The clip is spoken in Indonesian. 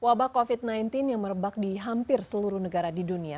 wabah covid sembilan belas yang merebak di hampir seluruh negara di dunia